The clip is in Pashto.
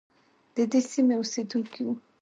ددې سیمې اوسیدونکی وو.